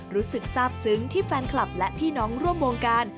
รู้สึกทราบซึ้งที่แฟนคลับและพี่น้องร่วมวงการ